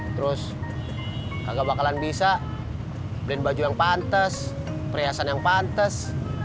terus kagak bakalan bisa beliin baju yang pantes perhiasan yang pantes